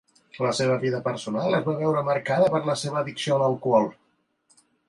La seva vida personal es va veure marcada per la seva addicció a l'alcohol.